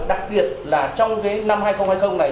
đặc biệt là trong cái năm hai nghìn hai mươi này